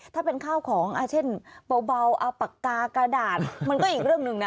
ถ้าเป็นข้าวของเช่นเบาเอาปากกากระดาษมันก็อีกเรื่องหนึ่งนะ